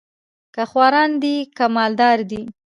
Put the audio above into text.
که خواران دي که مال دار دي